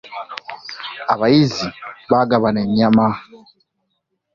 Abayizzi bagabana ennyama.